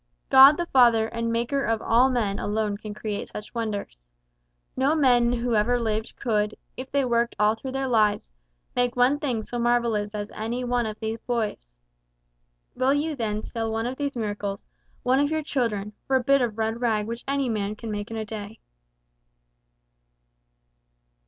God the Father and Maker of all men alone can create such wonders. No men who ever lived could, if they worked all through their lives, make one thing so marvellous as one of these boys. Will you, then, sell one of these miracles, one of your children, for a bit of red rag which any man can make in a day?"